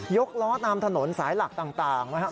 กล้อตามถนนสายหลักต่างนะครับ